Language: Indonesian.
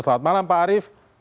selamat malam pak arief